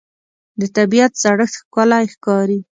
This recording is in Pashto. د طبیعت زړښت ښکلی ښکاري